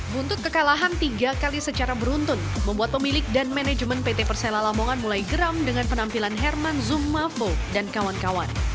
buntut kekalahan tiga kali secara beruntun membuat pemilik dan manajemen pt persela lamongan mulai geram dengan penampilan herman zumafo dan kawan kawan